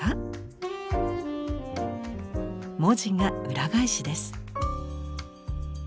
文字が裏返しです。